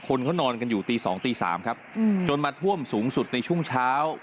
คนเขานอนกันอยู่ตี๒ตี๓ครับจนมาท่วมสูงสุดในช่วงเช้า